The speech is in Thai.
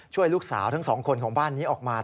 ช่วยลูกสาวทั้งสองคนของบ้านนี้ออกมา